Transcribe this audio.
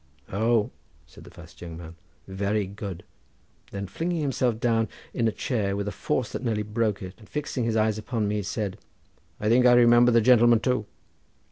"Oh!" said the fast young man; "very good!" then flinging himself down in a chair with a force that nearly broke it and fixing his eyes upon me said, "I think I remember the gentleman too.